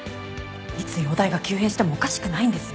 いつ容体が急変してもおかしくないんですよ。